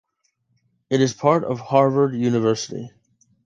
It is part of Harvard University.